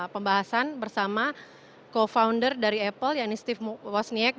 pembahasan bersama co founder dari apple yang ini steve wasik